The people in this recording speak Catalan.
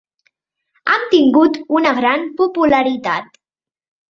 Han tingut una gran popularitat.